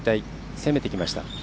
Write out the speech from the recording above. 攻めてきました。